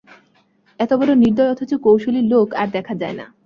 এত বড়ো নির্দয় অথচ কৌশলী লোক আর দেখা যায় না।